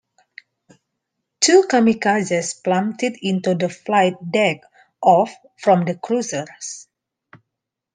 Two "kamikazes" plummeted into the flight deck of from the cruiser.